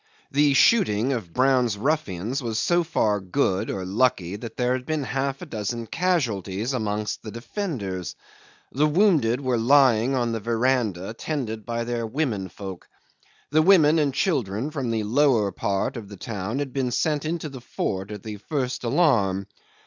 The shooting of Brown's ruffians was so far good, or lucky, that there had been half a dozen casualties amongst the defenders. The wounded were lying on the verandah tended by their women folk. The women and children from the lower part of the town had been sent into the fort at the first alarm.